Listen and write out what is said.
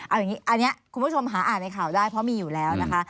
เอาอย่างนี้อันนี้คุณผู้ชมหาอ่านในข่าวได้เพราะมีอยู่แล้วนะคะ